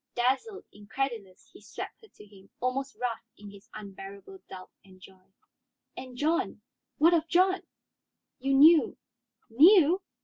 Dazzled, incredulous, he swept her to him, almost rough in his unbearable doubt and joy. "And John? What of John?" "You knew " "Knew?